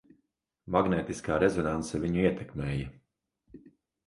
Magnētiskā rezonanse viņu ietekmēja.